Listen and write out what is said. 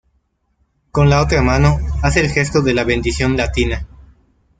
Con la otra mano, hace el gesto de la bendición latina.